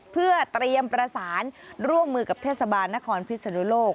เพื่อเตรียมประสานร่วมมือกับเทศบาลนครพิศนุโลก